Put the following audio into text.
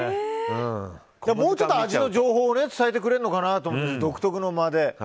もうちょっと味の情報を伝えてくれるのかなと思って独特の間で。